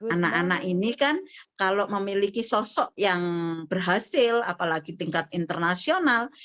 anak anak ini kan kalau memiliki sosok yang berhasil apalagi tingkat internasional